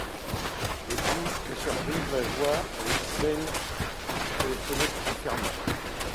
Et puis la surprise, la joie, avec cela que les fenêtres étaient fermées.